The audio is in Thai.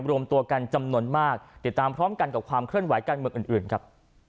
รวมตัวกันจำนวนมากติดตามพร้อมกันกับความเคลื่อนไหวการเมืองอื่นครับ